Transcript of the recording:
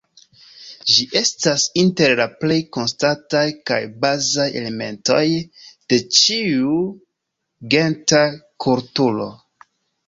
Ĝi estas inter la plej konstantaj kaj bazaj elementoj de ĉiu genta kulturo.